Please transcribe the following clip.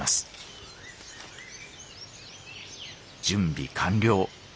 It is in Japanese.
準備完了。